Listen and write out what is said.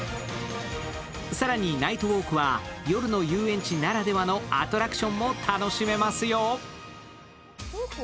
更に、ナイトウォークは夜の遊園地ならではのアトラクションも楽しめますよ。